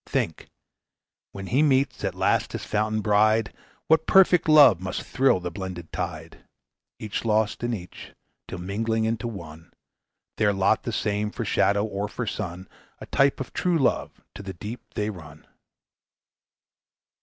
Think, when he meets at last his fountain bride, What perfect love must thrill the blended tide! Each lost in each, till mingling into one, Their lot the same for shadow or for sun, A type of true love, to the deep they run."